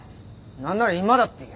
何なら今だっていいよ。